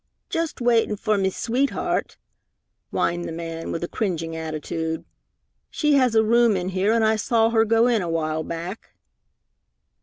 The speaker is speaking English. "Just waitin' fer me sweetheart," whined the man, with a cringing attitude. "She has a room in here, an' I saw her go in a while back."